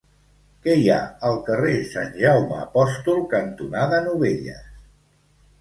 Què hi ha al carrer Sant Jaume Apòstol cantonada Novelles?